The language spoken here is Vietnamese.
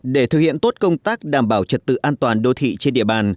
để thực hiện tốt công tác đảm bảo trật tự an toàn đô thị trên địa bàn